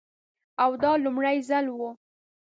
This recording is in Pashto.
او دا لومړی ځل و.